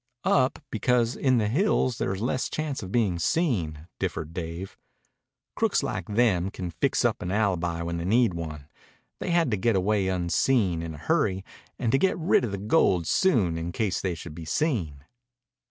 "Up, because in the hills there's less chance of being seen," differed Dave. "Crooks like them can fix up an alibi when they need one. They had to get away unseen, in a hurry, and to get rid of the gold soon in case they should be seen."